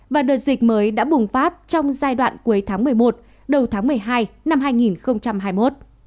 và đợt dịch mới đã bùng phát trong giai đoạn cuối tháng một mươi một đầu tháng một mươi hai năm hai nghìn hai mươi một